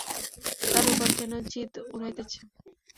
তার উপর কেন জিদ উড়াইতেছ?